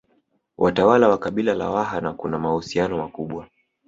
Watawala wa kabila la Waha na kuna mahusiano makubwa